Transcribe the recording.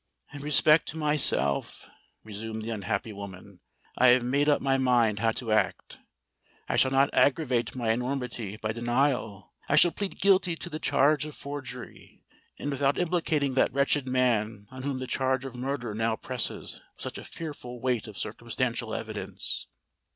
"In respect to myself," resumed the unhappy woman, "I have made up my mind how to act. I shall not aggravate my enormity by denial: I shall plead guilty to the charge of forgery—and without implicating that wretched man on whom the charge of murder now presses with such a fearful weight of circumstantial evidence.